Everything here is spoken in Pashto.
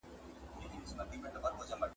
رشتیا خبري یا مست کوي یا لني !.